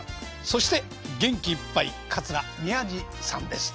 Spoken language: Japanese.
そして元気いっぱい桂宮治さんです。